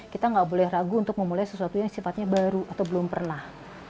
kita nggak boleh ragu untuk memulai sesuatu yang sifatnya baru atau belum pernah